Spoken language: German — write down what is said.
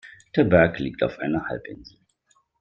Der Berg liegt auf einer Halbinsel.